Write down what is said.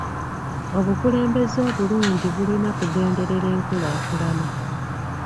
Obukulembeze obulungi bulina kugenderera enkulaakulana.